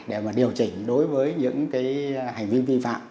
để mà điều chỉnh đối với những cái hành vi vi phạm